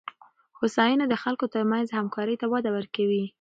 هوساینه د خلکو ترمنځ همکارۍ ته وده ورکوي.